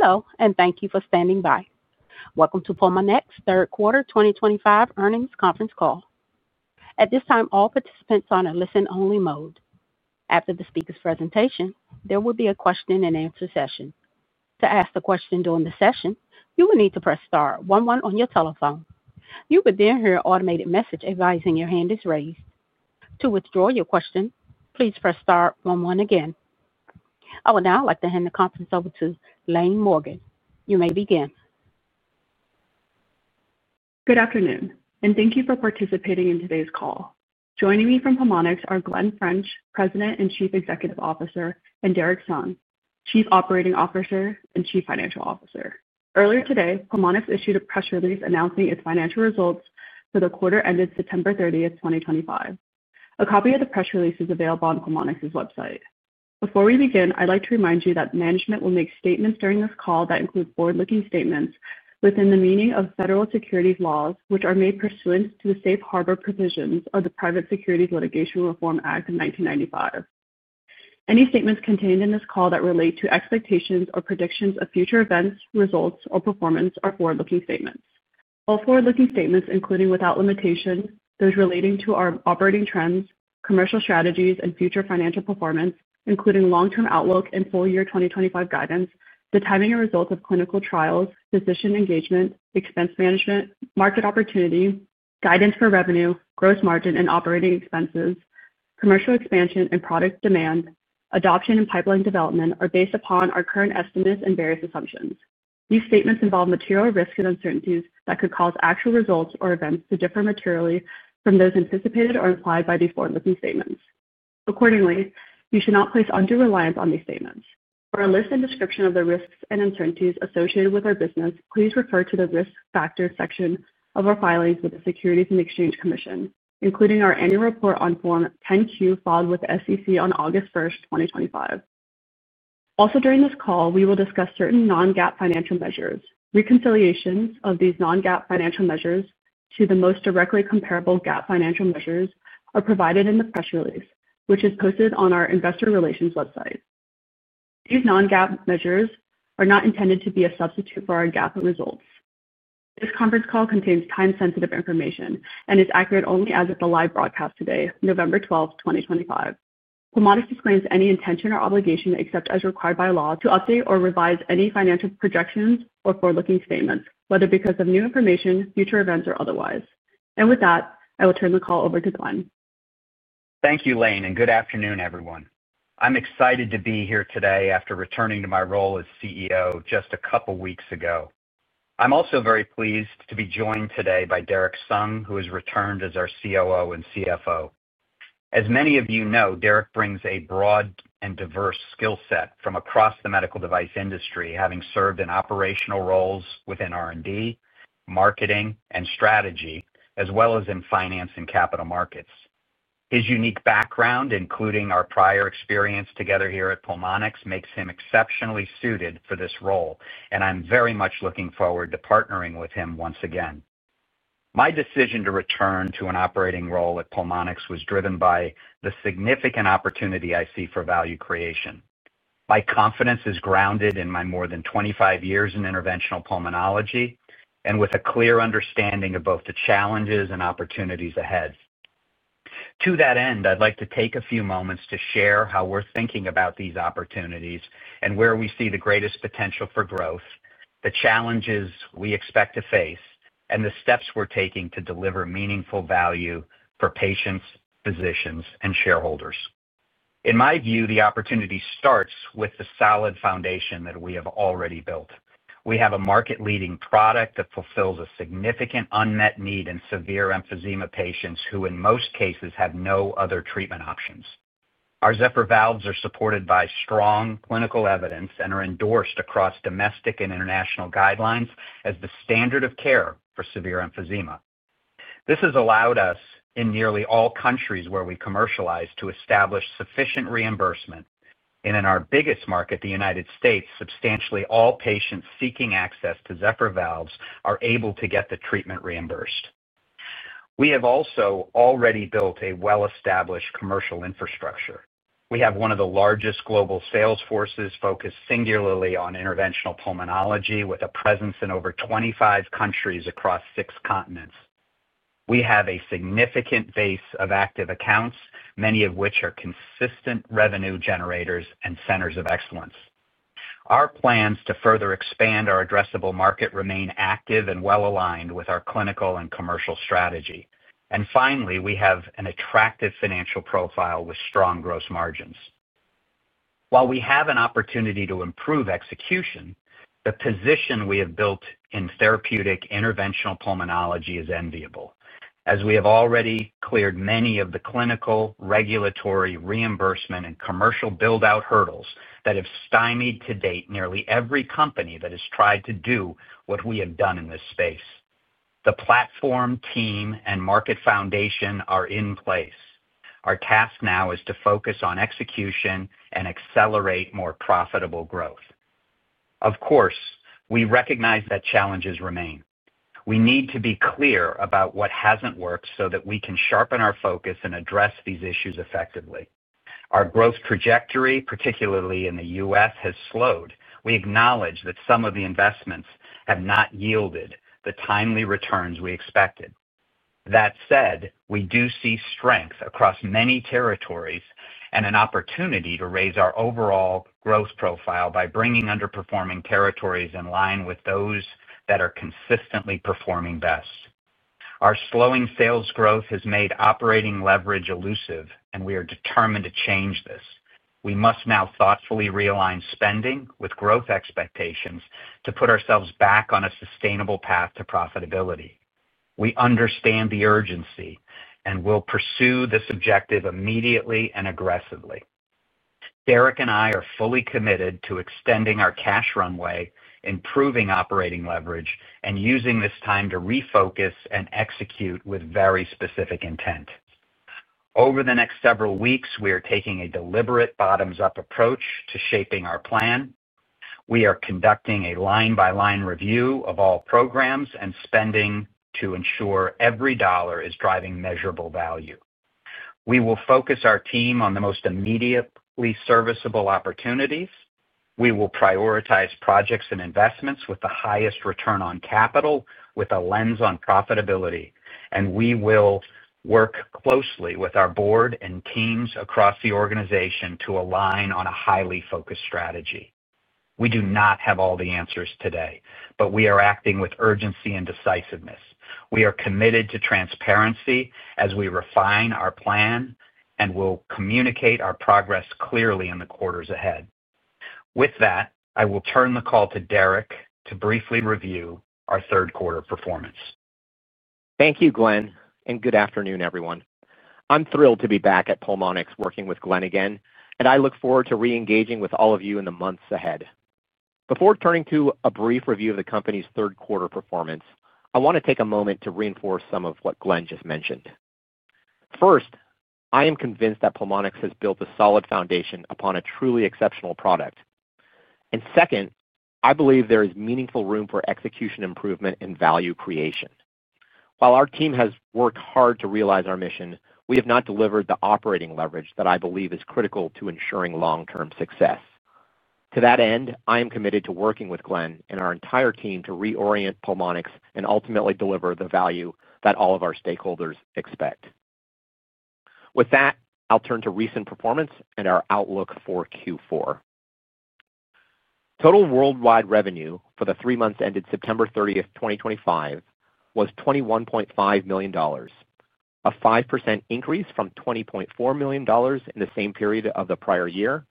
Hello, and thank you for standing by. Welcome to Pulmonx Q3 2025 earnings conference call. At this time, all participants are on a listen-only mode. After the speaker's presentation, there will be a question-and-answer session. To ask a question during the session, you will need to press star 11 on your telephone. You will then hear an automated message advising your hand is raised. To withdraw your question, please press star 11 again. I would now like to hand the conference over to Laine Morgan. You may begin. Good afternoon, and thank you for participating in today's call. Joining me from Pulmonx are Glen French, President and Chief Executive Officer, and Derrick Sung, Chief Operating Officer and Chief Financial Officer. Earlier today, Pulmonx issued a press release announcing its financial results for the quarter ended September 30th, 2025. A copy of the press release is available on Pulmonx's website. Before we begin, I'd like to remind you that management will make statements during this call that include forward-looking statements within the meaning of federal securities laws, which are made pursuant to the safe harbor provisions of the Private Securities Litigation Reform Act of 1995. Any statements contained in this call that relate to expectations or predictions of future events, results, or performance are forward-looking statements. All forward-looking statements, including without limitation, those relating to our operating trends, commercial strategies, and future financial performance, including long-term outlook and full-year 2025 guidance, the timing and results of clinical trials, physician engagement, expense management, market opportunity, guidance for revenue, gross margin, and operating expenses, commercial expansion, and product demand, adoption, and pipeline development are based upon our current estimates and various assumptions. These statements involve material risks and uncertainties that could cause actual results or events to differ materially from those anticipated or implied by these forward-looking statements. Accordingly, you should not place undue reliance on these statements. For a list and description of the risks and uncertainties associated with our business, please refer to the risk factors section of our filings with the Securities and Exchange Commission, including our annual report on Form 10-Q filed with the SEC on August 1st, 2025. Also, during this call, we will discuss certain non-GAAP financial measures. Reconciliations of these non-GAAP financial measures to the most directly comparable GAAP financial measures are provided in the press release, which is posted on our investor relations website. These non-GAAP measures are not intended to be a substitute for our GAAP results. This conference call contains time-sensitive information and is accurate only as of the live broadcast today, November 12th, 2025. Pulmonx disclaims any intention or obligation except as required by law to update or revise any financial projections or forward-looking statements, whether because of new information, future events, or otherwise. I will turn the call over to Glen. Thank you, Laine, and good afternoon, everyone. I'm excited to be here today after returning to my role as CEO just a couple of weeks ago. I'm also very pleased to be joined today by Derrick Sung, who has returned as our COO and CFO. As many of you know, Derrick brings a broad and diverse skill set from across the medical device industry, having served in operational roles within R&D, marketing, and strategy, as well as in finance and capital markets. His unique background, including our prior experience together here at Pulmonx, makes him exceptionally suited for this role, and I'm very much looking forward to partnering with him once again. My decision to return to an operating role at Pulmonx was driven by the significant opportunity I see for value creation. My confidence is grounded in my more than 25 years in interventional pulmonology and with a clear understanding of both the challenges and opportunities ahead. To that end, I'd like to take a few moments to share how we're thinking about these opportunities and where we see the greatest potential for growth, the challenges we expect to face, and the steps we're taking to deliver meaningful value for patients, physicians, and shareholders. In my view, the opportunity starts with the solid foundation that we have already built. We have a market-leading product that fulfills a significant unmet need in severe emphysema patients who, in most cases, have no other treatment options. Our Zephyr Valves are supported by strong clinical evidence and are endorsed across domestic and international guidelines as the standard of care for severe emphysema. This has allowed us, in nearly all countries where we commercialize, to establish sufficient reimbursement. In our biggest market, the United States, substantially all patients seeking access to Zephyr Valves are able to get the treatment reimbursed. We have also already built a well-established commercial infrastructure. We have one of the largest global sales forces focused singularly on interventional pulmonology, with a presence in over 25 countries across six continents. We have a significant base of active accounts, many of which are consistent revenue generators and centers of excellence. Our plans to further expand our addressable market remain active and well-aligned with our clinical and commercial strategy. Finally, we have an attractive financial profile with strong gross margins. While we have an opportunity to improve execution, the position we have built in therapeutic interventional pulmonology is enviable, as we have already cleared many of the clinical, regulatory, reimbursement, and commercial build-out hurdles that have stymied to date nearly every company that has tried to do what we have done in this space. The platform, team, and market foundation are in place. Our task now is to focus on execution and accelerate more profitable growth. Of course, we recognize that challenges remain. We need to be clear about what hasn't worked so that we can sharpen our focus and address these issues effectively. Our growth trajectory, particularly in the U.S., has slowed. We acknowledge that some of the investments have not yielded the timely returns we expected. That said, we do see strength across many territories and an opportunity to raise our overall growth profile by bringing underperforming territories in line with those that are consistently performing best. Our slowing sales growth has made operating leverage elusive, and we are determined to change this. We must now thoughtfully realign spending with growth expectations to put ourselves back on a sustainable path to profitability. We understand the urgency and will pursue this objective immediately and aggressively. Derrick and I are fully committed to extending our cash runway, improving operating leverage, and using this time to refocus and execute with very specific intent. Over the next several weeks, we are taking a deliberate bottoms-up approach to shaping our plan. We are conducting a line-by-line review of all programs and spending to ensure every dollar is driving measurable value. We will focus our team on the most immediately serviceable opportunities. We will prioritize projects and investments with the highest return on capital with a lens on profitability, and we will work closely with our board and teams across the organization to align on a highly focused strategy. We do not have all the answers today, but we are acting with urgency and decisiveness. We are committed to transparency as we refine our plan and will communicate our progress clearly in the quarters ahead. With that, I will turn the call to Derrick to briefly review our Q3 performance. Thank you, Glen, and good afternoon, everyone. I'm thrilled to be back at Pulmonx working with Glen again, and I look forward to re-engaging with all of you in the months ahead. Before turning to a brief review of the company's Q3 performance, I want to take a moment to reinforce some of what Glen just mentioned. First, I am convinced that Pulmonx has built a solid foundation upon a truly exceptional product. Second, I believe there is meaningful room for execution improvement and value creation. While our team has worked hard to realize our mission, we have not delivered the operating leverage that I believe is critical to ensuring long-term success. To that end, I am committed to working with Glen and our entire team to reorient Pulmonx and ultimately deliver the value that all of our stakeholders expect. With that, I'll turn to recent performance and our outlook for Q4. Total worldwide revenue for the three months ended September 30th, 2025, was $21.5 million, a 5% increase from $20.4 million in the same period of the prior year,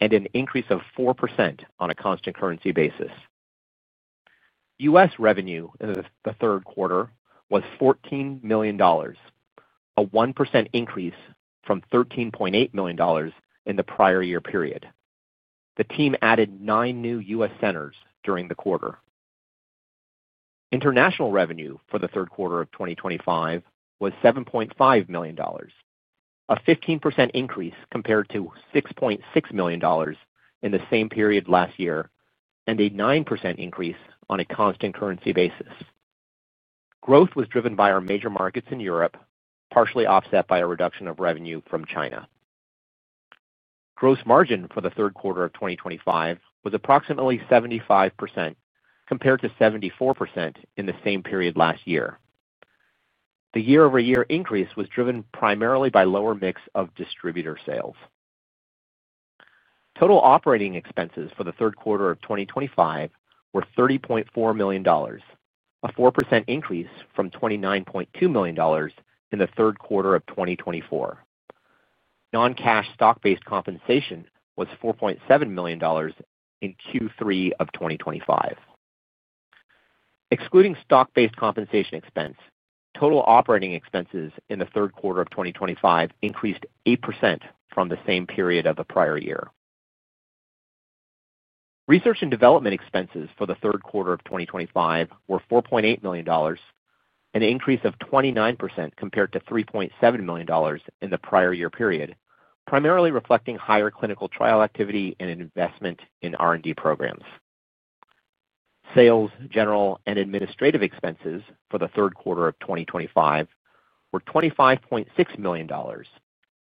and an increase of 4% on a constant currency basis. U.S. revenue in the Q3 was $14 million, a 1% increase from $13.8 million in the prior year period. The team added nine new U.S. centers during the quarter. International revenue for the Q3 of 2025 was $7.5 million, a 15% increase compared to $6.6 million in the same period last year, and a 9% increase on a constant currency basis. Growth was driven by our major markets in Europe, partially offset by a reduction of revenue from China. Gross margin for the Q3 of 2025 was approximately 75% compared to 74% in the same period last year. The year-over-year increase was driven primarily by a lower mix of distributor sales. Total operating expenses for the Q3 of 2025 were $30.4 million, a 4% increase from $29.2 million in the Q3 of 2024. Non-cash stock-based compensation was $4.7 million in Q3 of 2025. Excluding stock-based compensation expense, total operating expenses in the Q3 of 2025 increased 8% from the same period of the prior year. Research and development expenses for the Q3 of 2025 were $4.8 million, an increase of 29% compared to $3.7 million in the prior year period, primarily reflecting higher clinical trial activity and investment in R&D programs. Sales, general, and administrative expenses for the Q3 of 2025 were $25.6 million,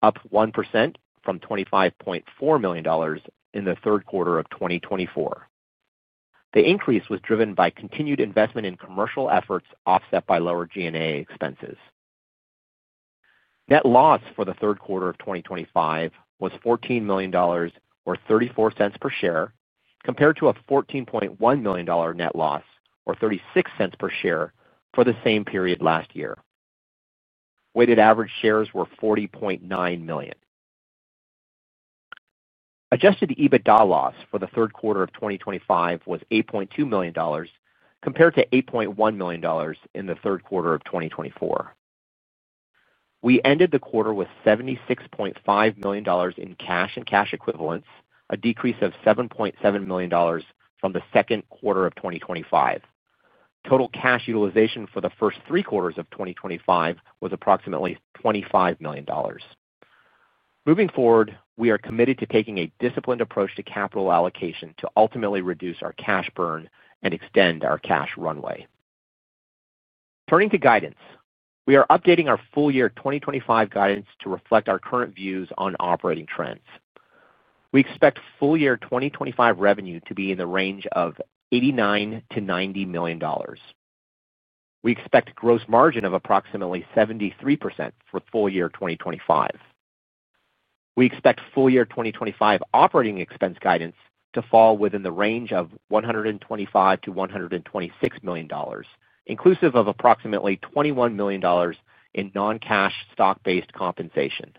up 1% from $25.4 million in the Q3 of 2024. The increase was driven by continued investment in commercial efforts offset by lower G&A expenses. Net loss for the Q3 of 2025 was $14 million, or $0.34 per share, compared to a $14.1 million net loss, or $0.36 per share, for the same period last year. Weighted average shares were 40.9 million. Adjusted EBITDA loss for the Q3 of 2025 was $8.2 million, compared to $8.1 million in the Q3 of 2024. We ended the quarter with $76.5 million in cash and cash equivalents, a decrease of $7.7 million from the second quarter of 2025. Total cash utilization for the first three quarters of 2025 was approximately $25 million. Moving forward, we are committed to taking a disciplined approach to capital allocation to ultimately reduce our cash burn and extend our cash runway. Turning to guidance, we are updating our full year 2025 guidance to reflect our current views on operating trends. We expect full year 2025 revenue to be in the range of $89 million-$90 million. We expect gross margin of approximately 73% for full year 2025. We expect full year 2025 operating expense guidance to fall within the range of $125 million-$126 million, inclusive of approximately $21 million in non-cash stock-based compensation.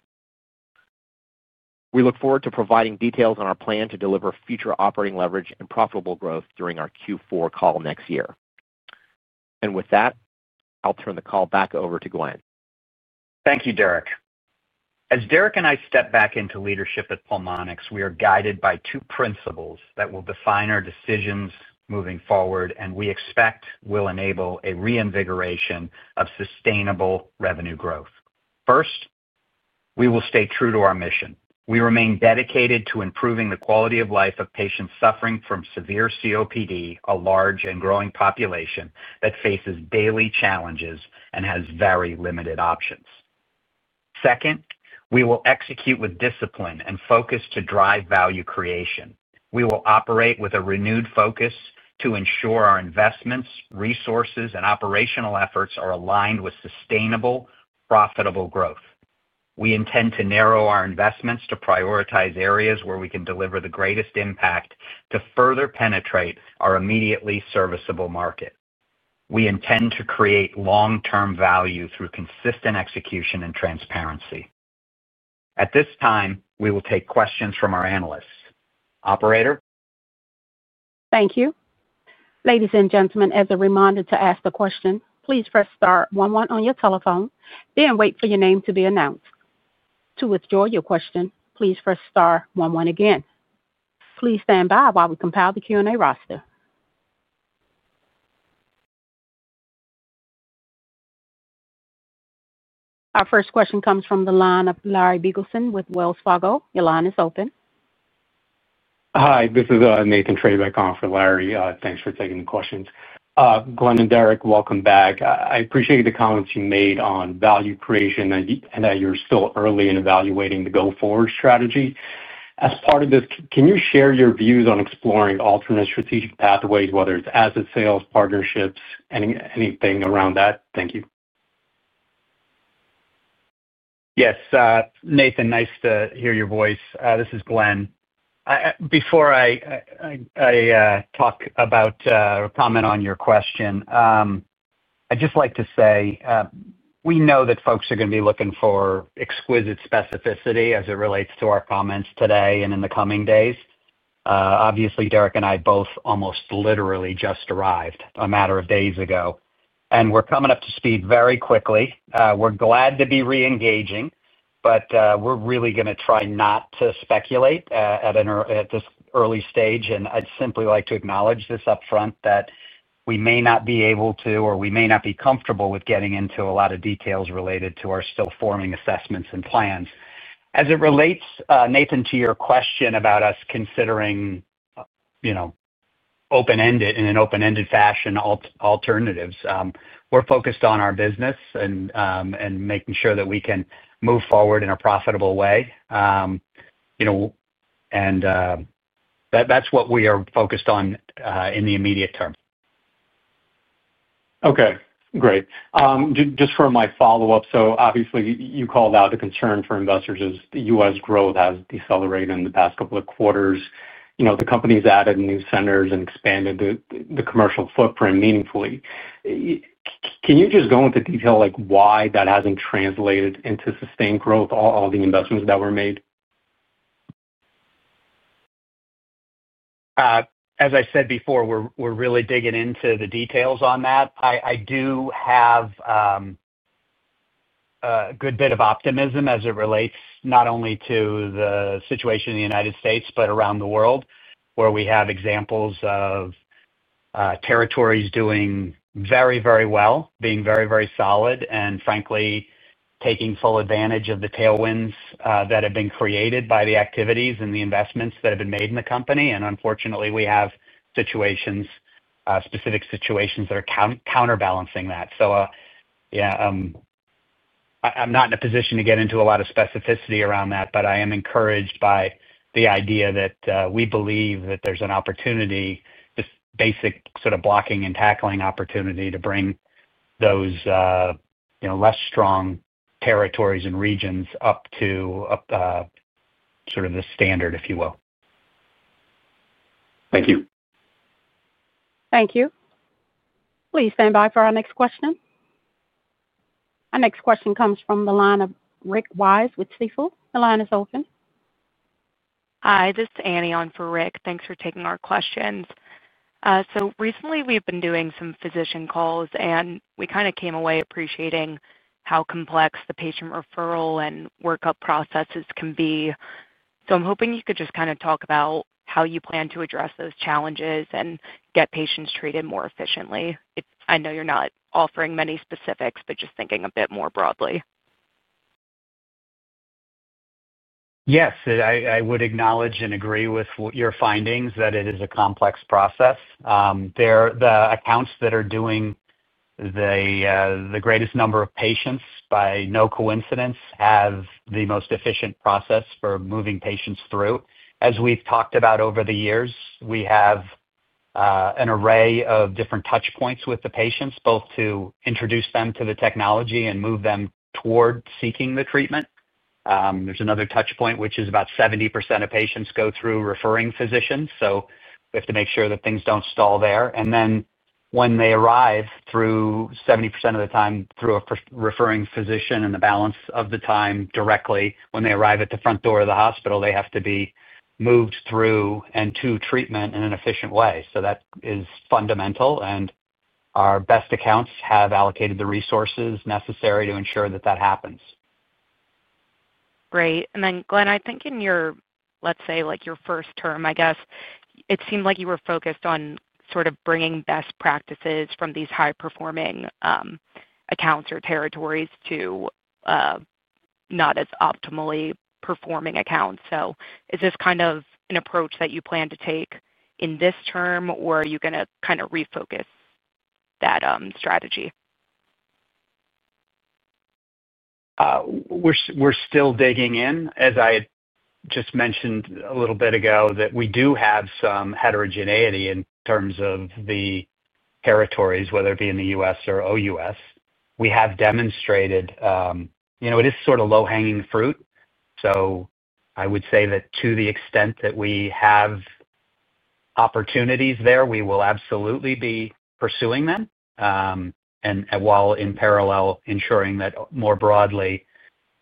We look forward to providing details on our plan to deliver future operating leverage and profitable growth during our Q4 call next year. I'll turn the call back over to Glen. Thank you, Derrick. As Derrick and I step back into leadership at Pulmonx, we are guided by two principles that will define our decisions moving forward, and we expect will enable a reinvigoration of sustainable revenue growth. First, we will stay true to our mission. We remain dedicated to improving the quality of life of patients suffering from severe COPD, a large and growing population that faces daily challenges and has very limited options. Second, we will execute with discipline and focus to drive value creation. We will operate with a renewed focus to ensure our investments, resources, and operational efforts are aligned with sustainable, profitable growth. We intend to narrow our investments to prioritize areas where we can deliver the greatest impact to further penetrate our immediately serviceable market. We intend to create long-term value through consistent execution and transparency. At this time, we will take questions from our analysts. Operator. Thank you. Ladies and gentlemen, as a reminder to ask the question, please press star 11 on your telephone, then wait for your name to be announced. To withdraw your question, please press star 11 again. Please stand by while we compile the Q&A roster. Our first question comes from the line of Larry Biegelsen with Wells Fargo. Your line is open. Hi, this is Nathan Treybeck on for Larry. Thanks for taking the questions. Glen and Derrick, welcome back. I appreciate the comments you made on value creation and that you're still early in evaluating the go-forward strategy. As part of this, can you share your views on exploring alternate strategic pathways, whether it's asset sales, partnerships, anything around that? Thank you. Yes. Nathan, nice to hear your voice. This is Glen. Before I talk about or comment on your question, I'd just like to say we know that folks are going to be looking for exquisite specificity as it relates to our comments today and in the coming days. Obviously, Derrick and I both almost literally just arrived a matter of days ago, and we're coming up to speed very quickly. We're glad to be re-engaging, but we're really going to try not to speculate at this early stage. I'd simply like to acknowledge this upfront that we may not be able to, or we may not be comfortable with getting into a lot of details related to our still forming assessments and plans. As it relates, Nathan, to your question about us considering in an open-ended fashion alternatives, we're focused on our business and making sure that we can move forward in a profitable way. That's what we are focused on in the immediate term. Okay. Great. Just for my follow-up, obviously, you called out a concern for investors as U.S. growth has decelerated in the past couple of quarters. The company's added new centers and expanded the commercial footprint meaningfully. Can you just go into detail why that hasn't translated into sustained growth, all the investments that were made? As I said before, we're really digging into the details on that. I do have a good bit of optimism as it relates not only to the situation in the U.S., but around the world, where we have examples of territories doing very, very well, being very, very solid, and frankly, taking full advantage of the tailwinds that have been created by the activities and the investments that have been made in the company. Unfortunately, we have specific situations that are counterbalancing that. Yeah, I'm not in a position to get into a lot of specificity around that, but I am encouraged by the idea that we believe that there's an opportunity, just basic sort of blocking and tackling opportunity to bring those less strong territories and regions up to sort of the standard, if you will. Thank you. Thank you. Please stand by for our next question. Our next question comes from the line of Rick Wise with Stifel. The line is open. Hi, this is Annie on for Rick. Thanks for taking our questions. Recently, we've been doing some physician calls, and we kind of came away appreciating how complex the patient referral and workup processes can be. I am hoping you could just kind of talk about how you plan to address those challenges and get patients treated more efficiently. I know you're not offering many specifics, but just thinking a bit more broadly. Yes. I would acknowledge and agree with your findings that it is a complex process. The accounts that are doing the greatest number of patients, by no coincidence, have the most efficient process for moving patients through. As we've talked about over the years, we have an array of different touchpoints with the patients, both to introduce them to the technology and move them toward seeking the treatment. There's another touchpoint, which is about 70% of patients go through referring physicians. We have to make sure that things do not stall there. When they arrive, 70% of the time through a referring physician, and the balance of the time directly, when they arrive at the front door of the hospital, they have to be moved through and to treatment in an efficient way. That is fundamental. Our best accounts have allocated the resources necessary to ensure that that happens. Great. Glen, I think in your, let's say, your first term, I guess, it seemed like you were focused on sort of bringing best practices from these high-performing accounts or territories to not as optimally performing accounts. Is this kind of an approach that you plan to take in this term, or are you going to kind of refocus that strategy? We're still digging in. As I just mentioned a little bit ago, we do have some heterogeneity in terms of the territories, whether it be in the U.S. or O.U.S. We have demonstrated it is sort of low-hanging fruit. I would say that to the extent that we have opportunities there, we will absolutely be pursuing them, while in parallel ensuring that more broadly,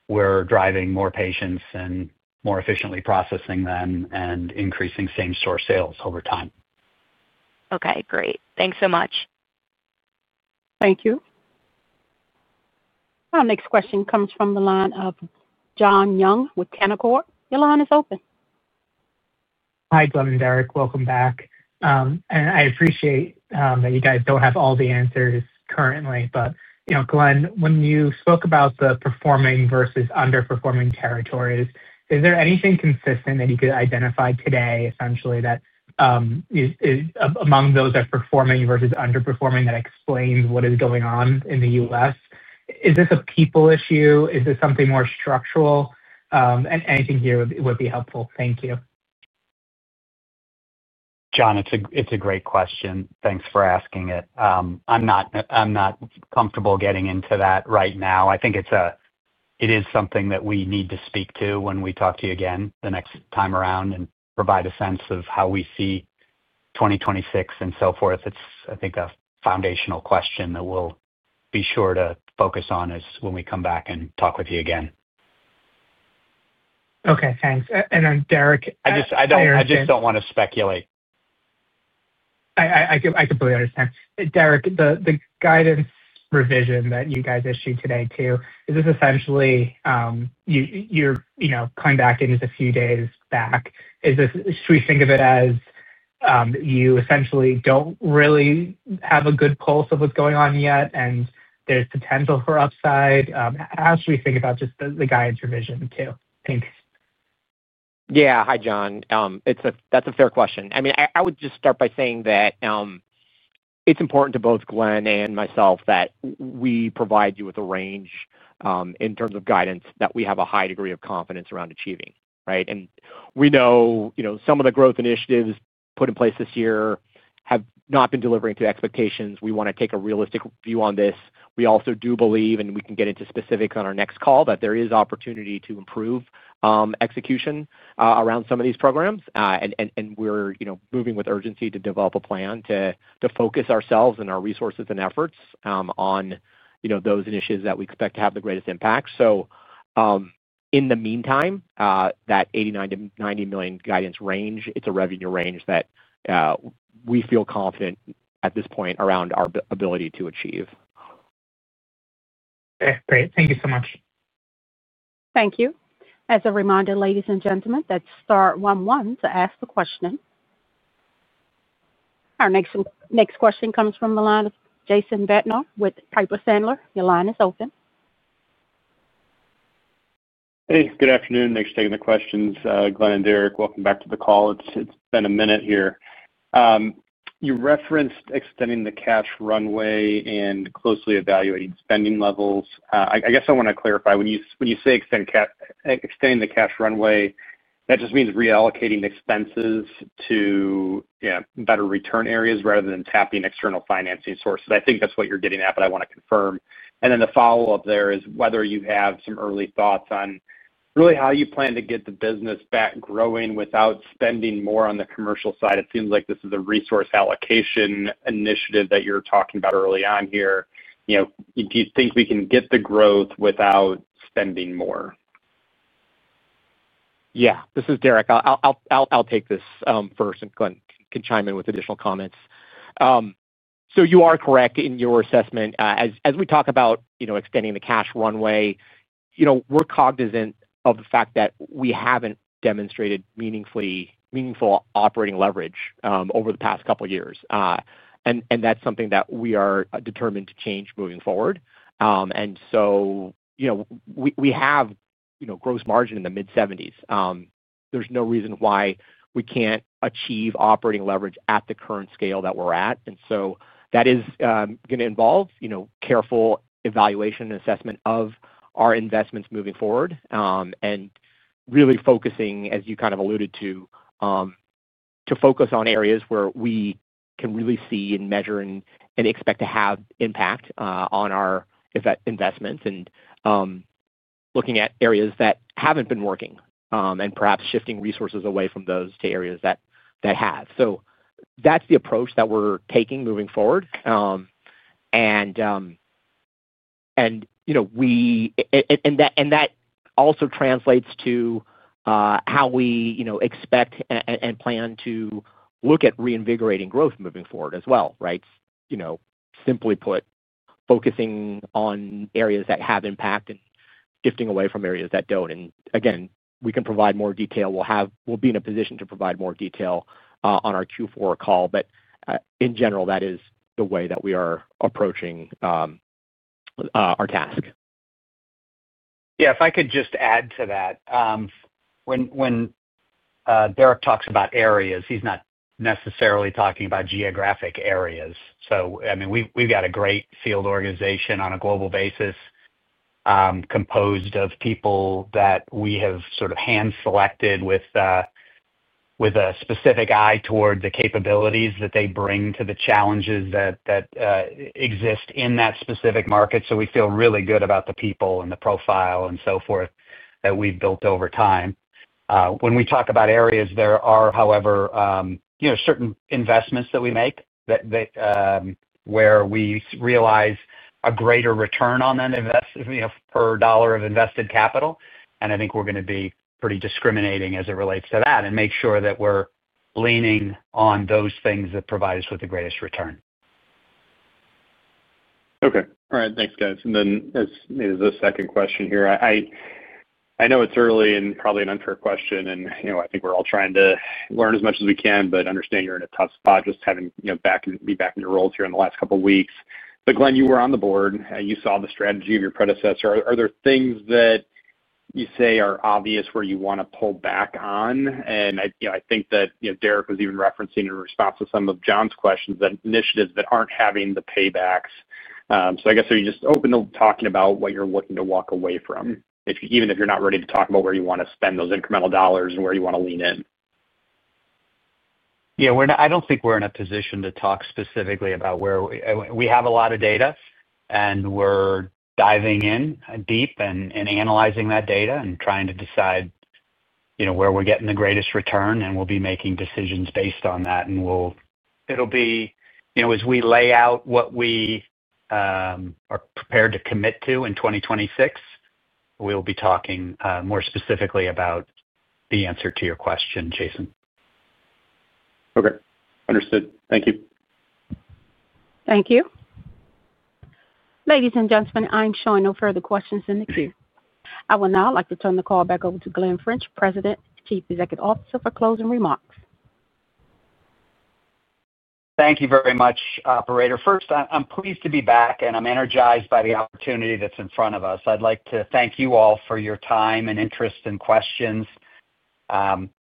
we're driving more patients and more efficiently processing them and increasing same-store sales over time. Okay. Great. Thanks so much. Thank you. Our next question comes from the line of John Young with Canaccord. Your line is open. Hi, Glen and Derrick. Welcome back. I appreciate that you guys do not have all the answers currently. Glen, when you spoke about the performing versus underperforming territories, is there anything consistent that you could identify today, essentially, that among those that are performing versus underperforming that explains what is going on in the U.S.? Is this a people issue? Is this something more structural? Anything here would be helpful. Thank you. John, it's a great question. Thanks for asking it. I'm not comfortable getting into that right now. I think it is something that we need to speak to when we talk to you again the next time around and provide a sense of how we see 2026 and so forth. It's, I think, a foundational question that we'll be sure to focus on when we come back and talk with you again. Okay. Thanks. And then Derrick. I just don't want to speculate. I completely understand. Derrick, the guidance revision that you guys issued today too, is this essentially you're coming back in just a few days back? Should we think of it as you essentially don't really have a good pulse of what's going on yet, and there's potential for upside? How should we think about just the guidance revision too? Thanks. Yeah. Hi, John. That's a fair question. I mean, I would just start by saying that it's important to both Glen and myself that we provide you with a range in terms of guidance that we have a high degree of confidence around achieving, right? We know some of the growth initiatives put in place this year have not been delivering to expectations. We want to take a realistic view on this. We also do believe, and we can get into specifics on our next call, that there is opportunity to improve execution around some of these programs. We're moving with urgency to develop a plan to focus ourselves and our resources and efforts on those initiatives that we expect to have the greatest impact. In the meantime, that $89 million-$90 million guidance range, it's a revenue range that we feel confident at this point around our ability to achieve. Okay. Great. Thank you so much. Thank you. As a reminder, ladies and gentlemen, that's star 11 to ask the question. Our next question comes from the line of Jason Bednar with Piper Sandler. Your line is open. Hey. Good afternoon. Thanks for taking the questions. Glen and Derrick, welcome back to the call. It's been a minute here. You referenced extending the cash runway and closely evaluating spending levels. I guess I want to clarify. When you say extending the cash runway, that just means reallocating expenses to better return areas rather than tapping external financing sources. I think that's what you're getting at, but I want to confirm. The follow-up there is whether you have some early thoughts on really how you plan to get the business back growing without spending more on the commercial side. It seems like this is a resource allocation initiative that you're talking about early on here. Do you think we can get the growth without spending more? Yeah. This is Derrick. I'll take this first, and Glen can chime in with additional comments. You are correct in your assessment. As we talk about extending the cash runway, we're cognizant of the fact that we haven't demonstrated meaningful operating leverage over the past couple of years. That's something that we are determined to change moving forward. We have gross margin in the mid-70%. There's no reason why we can't achieve operating leverage at the current scale that we're at. That is going to involve careful evaluation and assessment of our investments moving forward and really focusing, as you kind of alluded to, to focus on areas where we can really see and measure and expect to have impact on our investments and looking at areas that haven't been working and perhaps shifting resources away from those to areas that have. That's the approach that we're taking moving forward. That also translates to how we expect and plan to look at reinvigorating growth moving forward as well, right? Simply put, focusing on areas that have impact and shifting away from areas that do not. Again, we can provide more detail. We'll be in a position to provide more detail on our Q4 call. In general, that is the way that we are approaching our task. Yeah. If I could just add to that, when Derrick talks about areas, he's not necessarily talking about geographic areas. I mean, we've got a great field organization on a global basis composed of people that we have sort of hand-selected with a specific eye toward the capabilities that they bring to the challenges that exist in that specific market. We feel really good about the people and the profile and so forth that we've built over time. When we talk about areas, there are, however, certain investments that we make where we realize a greater return on that per dollar of invested capital. I think we're going to be pretty discriminating as it relates to that and make sure that we're leaning on those things that provide us with the greatest return. Okay. All right. Thanks, guys. Then as the second question here, I know it's early and probably an unfair question, and I think we're all trying to learn as much as we can, but understand you're in a tough spot just having to be back in your roles here in the last couple of weeks. Glen, you were on the board, and you saw the strategy of your predecessor. Are there things that you say are obvious where you want to pull back on? I think that Derrick was even referencing in response to some of John's questions that initiatives that aren't having the paybacks. I guess are you just open to talking about what you're looking to walk away from, even if you're not ready to talk about where you want to spend those incremental dollars and where you want to lean in? Yeah. I don't think we're in a position to talk specifically about where we have a lot of data, and we're diving in deep and analyzing that data and trying to decide where we're getting the greatest return. We'll be making decisions based on that, and as we lay out what we are prepared to commit to in 2026, we'll be talking more specifically about the answer to your question, Jason. Okay. Understood. Thank you. Thank you. Ladies and gentlemen, I'm showing no further questions in the queue. I will now like to turn the call back over to Glen French, President, Chief Executive Officer, for closing remarks. Thank you very much, Operator. First, I'm pleased to be back, and I'm energized by the opportunity that's in front of us. I'd like to thank you all for your time and interest and questions.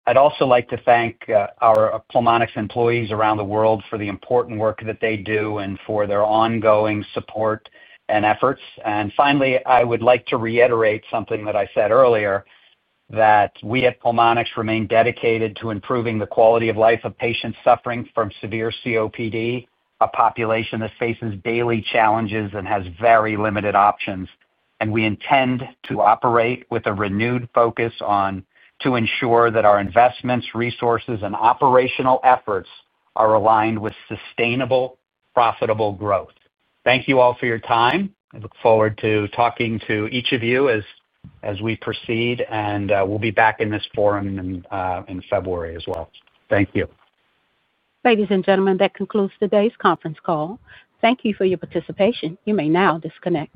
I'd also like to thank our Pulmonx employees around the world for the important work that they do and for their ongoing support and efforts. Finally, I would like to reiterate something that I said earlier, that we at Pulmonx remain dedicated to improving the quality of life of patients suffering from severe COPD, a population that faces daily challenges and has very limited options. We intend to operate with a renewed focus to ensure that our investments, resources, and operational efforts are aligned with sustainable, profitable growth. Thank you all for your time. I look forward to talking to each of you as we proceed, and we'll be back in this forum in February as well. Thank you. Ladies and gentlemen, that concludes today's conference call. Thank you for your participation. You may now disconnect.